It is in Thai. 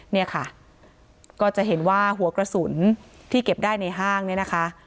เนี่ยค่ะก็จะเห็นว่าหัวกระสุนที่เก็บได้ในห้างเนี่ยนะคะ